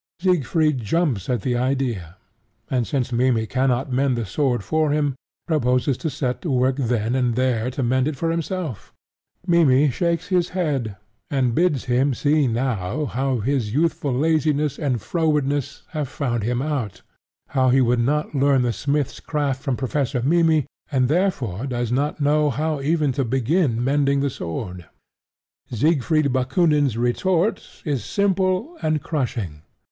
Siegfried jumps at the idea, and, since Mimmy cannot mend the sword for him, proposes to set to work then and there to mend it for himself. Mimmy shakes his head, and bids him see now how his youthful laziness and frowardness have found him out how he would not learn the smith's craft from Professor Mimmy, and therefore does not know how even to begin mending the sword. Siegfried Bakoonin's retort is simple and crushing.